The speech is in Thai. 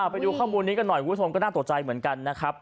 ไปดูข้อมูลนี้กันหน่อยคุณผู้ชมก็น่าตกใจเหมือนกันนะครับ